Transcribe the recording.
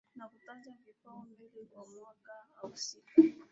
na kutaja vipao mbele kwa mwaka husika